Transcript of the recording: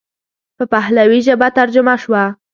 په پهلوي ژبه ترجمه شوه.